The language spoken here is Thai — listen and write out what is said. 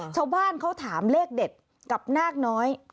ชาวบ้านเขาถามเลขเด็ดกับนาคน้อย